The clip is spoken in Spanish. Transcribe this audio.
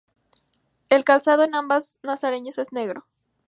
El calzado en ambos nazarenos es negro.